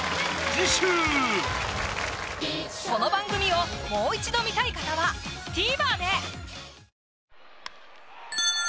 この番組をもう一度観たい方はＴＶｅｒで！